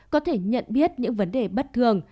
có thể nhận biết những vấn đề bất thường